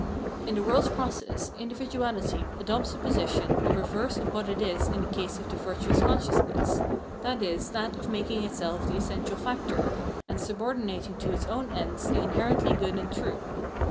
In the world's process individuality adopts a position VOL. I, — 2 B 369 370 Plienmnenology of Mind the reverse of what it is in the case of the virtuous consciousness, viz. that of making itself the essential factor, and subordinating to its own ends the inherently good and true.